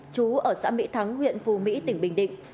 chú ở xã mỹ thắng huyện phù mỹ tỉnh bình định